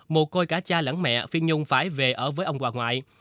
mồ côi cả cha lẫn mẹ phi nhung phải về ở với ông hoà ngoại